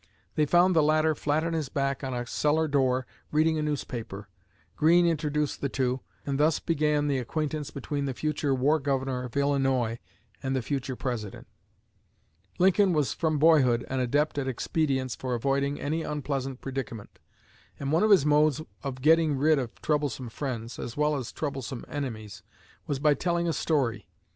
They found the latter flat on his back on a cellar door reading a newspaper. Greene introduced the two, and thus began the acquaintance between the future War Governor of Illinois and the future President. Lincoln was from boyhood an adept at expedients for avoiding any unpleasant predicament, and one of his modes of getting rid of troublesome friends, as well as troublesome enemies, was by telling a story.